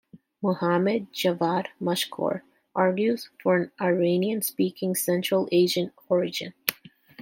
Muhammad Javad Mashkoor argues for an Iranian-speaking Central Asian origin.